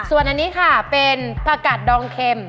ส่วนอันนี้ค่ะเป็นผักกัดดองเข็ม